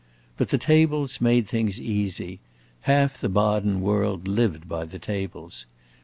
But the tables made such things easy; half the Baden world lived by the tables.